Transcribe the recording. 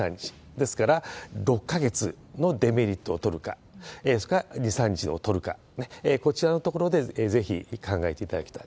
ですから６か月のデメリットを取るか、それか２、３日を取るか、こちらのところでぜひ考えていただきたい。